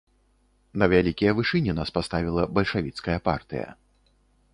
На вялікія вышыні нас паставіла бальшавіцкая партыя.